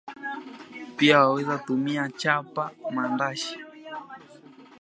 Pia waweza tumia Chapa mandashi